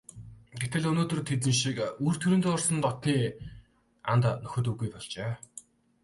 Гэтэл өнөөдөр тэдэн шиг өвөр түрийдээ орсон дотнын анд нөхөд үгүй болжээ.